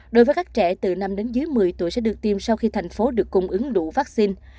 đối với các trẻ từ năm đến dưới một mươi tuổi sẽ được tiêm sau khi thành phố được cung ứng đủ vaccine